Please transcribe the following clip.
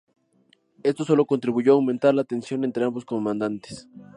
Esto solo contribuyo a aumentar la tensión entre ambos comandantes.